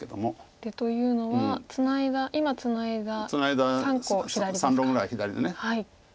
出というのは今ツナいだ３個左ですか。